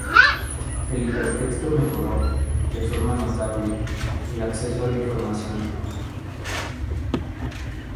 El hipertexto mejoró, de forma notable, el acceso a la información.